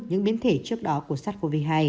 những biến thể trước đó của sars cov hai